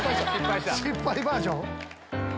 失敗バージョン！